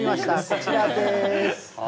こちらです。